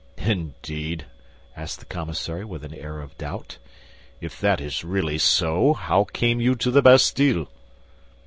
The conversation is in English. "Indeed?" asked the commissary, with an air of doubt. "If that is really so, how came you in the Bastille?"